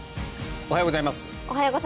おはようございます。